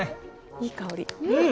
いい香り。